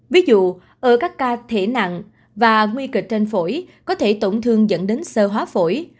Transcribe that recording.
ví dụ ở các ca thể nặng và nguy kịch trên phổi có thể tổn thương dẫn đến sơ hóa phổi